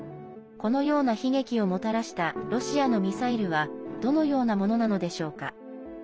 このような悲劇をもたらしたロシアのミサイルはどのようなものなのでしょうか。